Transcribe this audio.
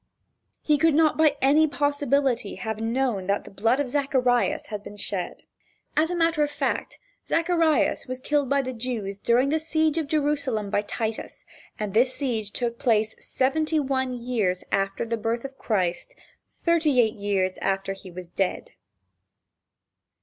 He could not by any possibility have known that the blood of Zacharias had been shed. As a matter of fact, Zacharias was killed by the Jews, during the seige of Jerusalem by Titus, and this seige took place seventy one years after the birth of Christ, thirty eight years after he was dead.